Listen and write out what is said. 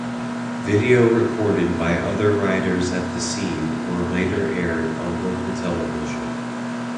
Video recorded by other riders at the scene were later aired on local television.